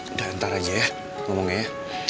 udah ntar aja ya ngomongnya ya